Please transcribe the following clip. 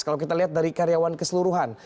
kalau kita lihat dari karyawan keseluruhan